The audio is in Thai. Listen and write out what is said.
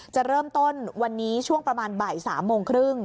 จะเริ่มต้นวันนี้ช่วงประมาณบ่าย๓โมงครึ่ง